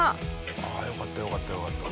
あよかったよかったよかった。